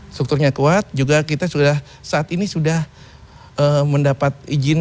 strukturnya kuat juga kita sudah saat ini sudah mendapat izin